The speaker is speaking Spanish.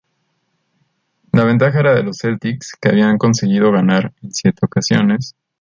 La ventaja era de los Celtics que habían conseguido ganar en siete ocasiones.